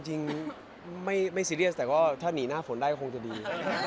เออจริงไม่เซรียสแต่ถ้านีหน้าฝนได้คงจะดี